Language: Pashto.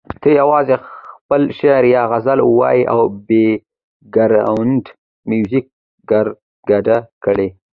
ته یوازې خپل شعر یا غزل وایه او بېکګراونډ میوزیک ورګډ کړه.